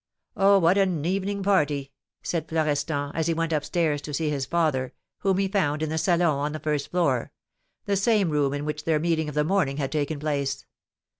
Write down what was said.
Oh, what an evening party!" said Florestan, as he went up stairs to see his father, whom he found in the salon on the first floor, the same room in which their meeting of the morning had taken place.